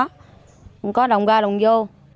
không có đồng ra đồng vô